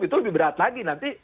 itu lebih berat lagi nanti